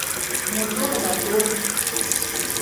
МОТОР ДА ТОР